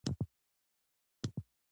د انجینر پوهه په دوه ډوله لاس ته راځي.